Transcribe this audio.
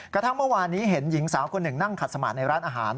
กระทั่งเมื่อวานนี้เห็นหญิงสาวคนหนึ่งนั่งขัดสมาธิในร้านอาหาร